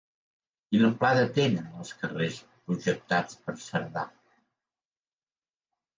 Quina amplada tenen els carrers projectats per Cerdà?